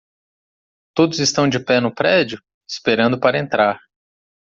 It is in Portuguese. Todos estão de pé no prédio? esperando para entrar.